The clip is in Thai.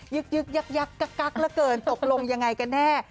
ึกยักกักเหลือเกินตกลงยังไงกันแน่